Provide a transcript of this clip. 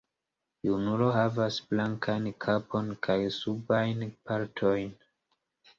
Junulo havas blankajn kapon kaj subajn partojn.